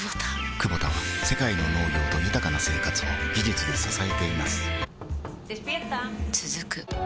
クボタは世界の農業と豊かな生活を技術で支えています起きて。